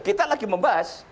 kita lagi membahas